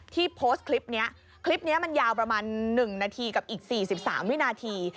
โพสต์คลิปนี้คลิปนี้มันยาวประมาณ๑นาทีกับอีก๔๓วินาที